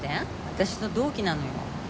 私と同期なのよ。